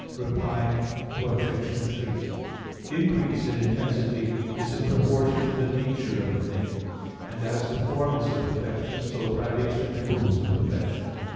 Reply Obj. 3: Increase in intensity is in proportion to the nature of a thing. And as the form is a perfection, so privation removes a perfection.